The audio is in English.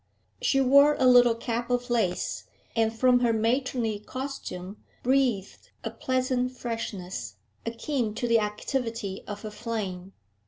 She wore a little cap of lace, and from her matronly costume breathed a pleasant freshness, akin to the activity of her flame.